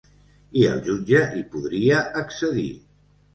I el jutge hi podria accedir.